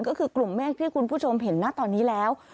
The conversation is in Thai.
ก็คือกลุ่มเมฆที่คุณผู้ชมเห็นนะตอนนี้แล้ว